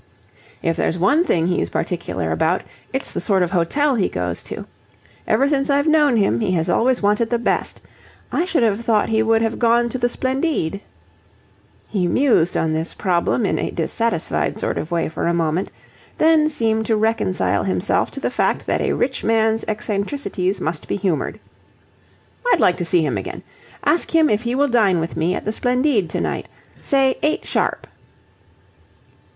"If there's one thing he's particular about, it's the sort of hotel he goes to. Ever since I've known him he has always wanted the best. I should have thought he would have gone to the Splendide." He mused on this problem in a dissatisfied sort of way for a moment, then seemed to reconcile himself to the fact that a rich man's eccentricities must be humoured. "I'd like to see him again. Ask him if he will dine with me at the Splendide to night. Say eight sharp."